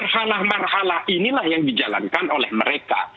halah malah halah inilah yang dijalankan oleh mereka